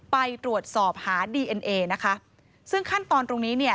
ไปตรวจสอบหาดีเอ็นเอนะคะซึ่งขั้นตอนตรงนี้เนี่ย